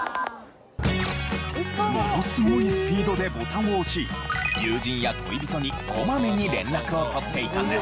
ものすごいスピードでボタンを押し友人や恋人にこまめに連絡を取っていたんです。